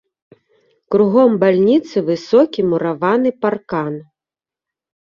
Кругом бальніцы высокі мураваны паркан.